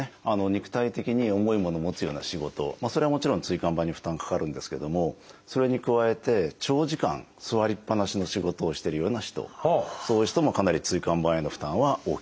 肉体的に重いものを持つような仕事それはもちろん椎間板に負担かかるんですけどもそれに加えて長時間座りっぱなしの仕事をしてるような人そういう人もかなり椎間板への負担は大きいですね。